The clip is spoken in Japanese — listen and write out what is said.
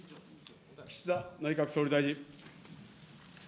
岸田内閣総理大臣。